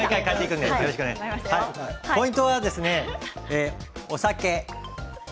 ポイントは、お酒。